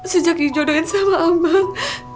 sejak dijodohin sama abang